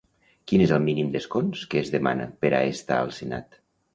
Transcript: Quin és el mínim d'escons que es demana per a estar al senat?